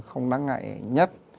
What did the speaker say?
không đáng ngại nhất